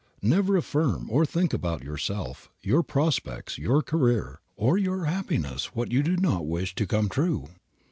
Never affirm, or think about yourself, your prospects, your career, or your happiness what you do not wish to come true.